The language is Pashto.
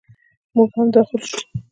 موږ هم داخل شوو.